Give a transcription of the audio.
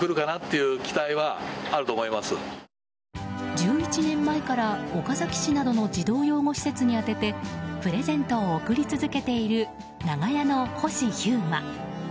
１１年前から岡崎市などの児童養護施設に宛ててプレゼントを贈り続けている長屋の星飛雄馬。